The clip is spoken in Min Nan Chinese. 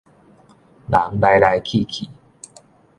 人來來去去